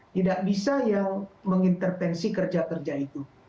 tidak bisa yang mengintervensi kerja kerja itu